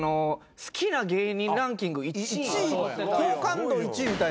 好きな芸人ランキング１位。